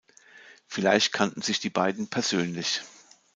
Vielleicht kannten sich die beiden persönlich.